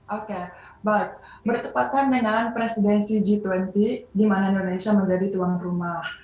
oke baik bertepatan dengan presidensi g dua puluh di mana indonesia menjadi tuan rumah